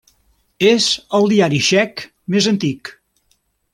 És el diari txec més antic.